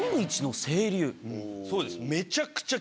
そうです。